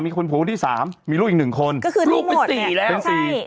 มีคนผัวคนที่สามมีลูกอีกหนึ่งคนก็คือลูกเป็นสี่แล้วเป็นสี่